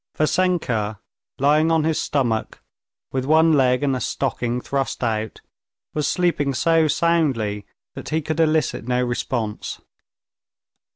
Vassenka, lying on his stomach, with one leg in a stocking thrust out, was sleeping so soundly that he could elicit no response.